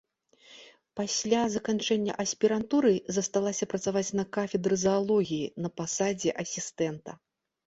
Пасля заканчэння аспірантуры засталася працаваць на кафедры заалогіі на пасадзе асістэнта.